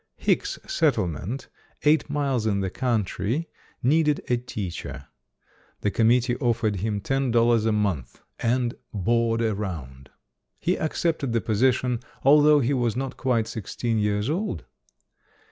Hicks Settlement, eight miles in the country, needed a teacher. The com mittee offered him ten dollars a month and JOHN MERCER LANGSTON [ 277 "board around". He accepted the position, al though he was not quite sixteen years old.